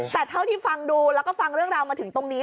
แต่เท่าที่ฟังดูแล้วก็ฟังเรื่องราวมาถึงตรงนี้